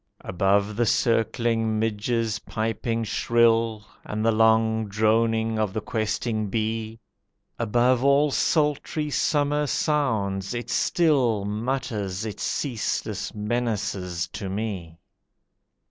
Above the circling midge's piping shrill, And the long droning of the questing bee, Above all sultry summer sounds, it still Mutters its ceaseless menaces to me.